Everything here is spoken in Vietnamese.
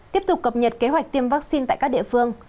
tiếp tục cập nhật kế hoạch tiêm vaccine tại các địa phương